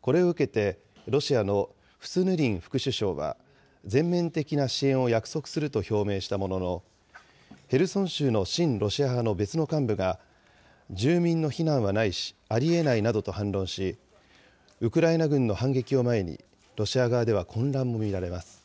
これを受けて、ロシアのフスヌリン副首相は、全面的な支援を約束すると表明したものの、ヘルソン州の親ロシア派の別の幹部が、住民の避難はないし、ありえないなどと反論し、ウクライナ軍の反撃を前に、ロシア側では混乱も見られます。